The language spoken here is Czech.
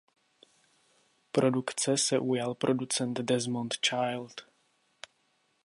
Produkce se ujal producent Desmond Child.